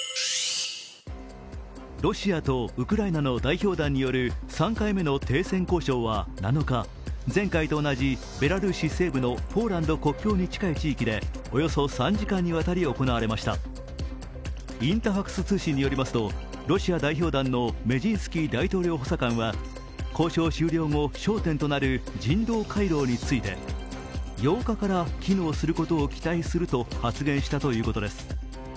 ロシアとウクライナの代表団による３回目の停戦交渉は７日、前回と同じベラルーシ西部のポーランド国境に近い地域でおよそ３時間にわたり行われましたインタファクス通信によりますと、ロシア代表団のメジンスキー大統領補佐官は交渉終了後、焦点となる人道回廊について８日から機能することを期待すると発言したということです。